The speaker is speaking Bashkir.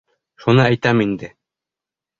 Шуны әйтәм инде.